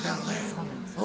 そうなんですよ